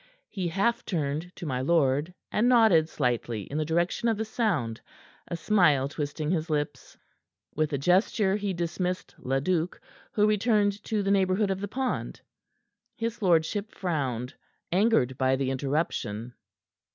He half turned to my lord, and nodded slightly in the direction of the sound, a smile twisting his lips. With a gesture he dismissed Leduc, who returned to the neighborhood of the pond. His lordship frowned, angered by the interruption.